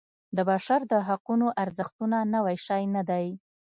د بشر د حقونو ارزښتونه نوی شی نه دی.